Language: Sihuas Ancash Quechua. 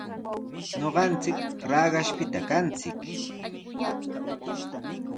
Ñuqanchik Raqashpita kanchik.